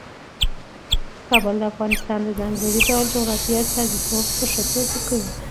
کابل د افغانستان د ځانګړي ډول جغرافیې استازیتوب په ښه توګه کوي.